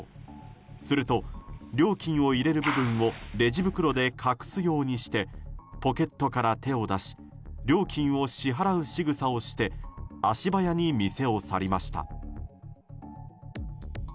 すると料金を入れる部分をレジ袋で隠すようにしてポケットから手を出し料金を支払うしぐさをして足早に店を去りました。